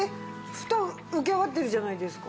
ふた浮き上がってるじゃないですか。